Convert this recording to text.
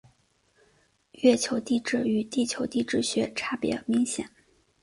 月球地质与地球地质学差别明显。